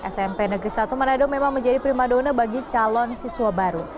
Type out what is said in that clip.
smp negeri satu manado memang menjadi prima dona bagi calon siswa baru